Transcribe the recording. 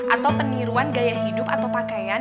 atau peniruan gaya hidup atau pakaian